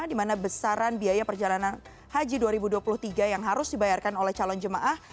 di mana besaran biaya perjalanan haji dua ribu dua puluh tiga yang harus dibayarkan oleh calon jemaah